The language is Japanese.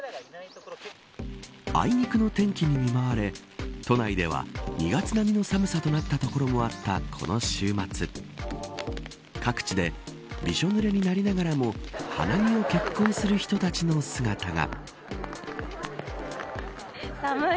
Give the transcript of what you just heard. あいにくの天気に見舞われ都内では２月並みの寒さとなった所もあったこの週末各地でびしょぬれになりながらも花見を決行する人たちの姿が。